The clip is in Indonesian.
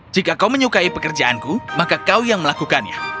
jika kau menyukai pekerjaanku maka kau yang melakukannya